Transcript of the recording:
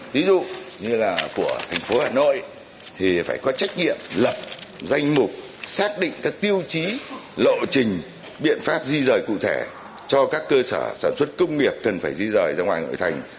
ví dụ như là của thành phố hà nội thì phải có trách nhiệm lập danh mục xác định các tiêu chí lộ trình biện pháp di rời cụ thể cho các cơ sở sản xuất công nghiệp cần phải di rời ra ngoài nội thành